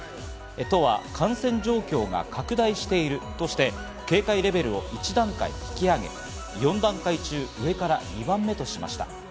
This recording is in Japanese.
都は感染状況が拡大しているとして、警戒レベルを１段階引き上げ、４段階中、上から２番目としました。